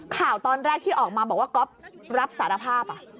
ข่าวตอนแรกที่ออกมาบอกว่าก๊อฟรับสารภาพ